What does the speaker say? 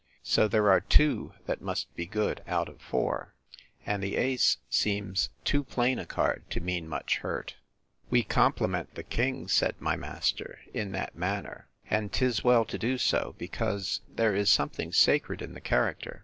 So there are two that must be good out of four; and the ace seems too plain a card to mean much hurt. We compliment the king, said my master, in that manner; and 'tis well to do so, because there is something sacred in the character.